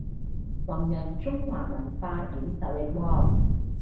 弘揚中華文化軟實力喎